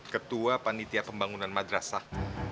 ketua panitia pembangunan madrasah